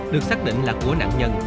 được xác định là của nạn nhân